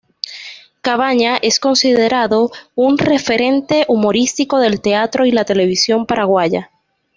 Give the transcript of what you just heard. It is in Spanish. Cabaña es considerado un referente humorístico del teatro y la televisión paraguaya.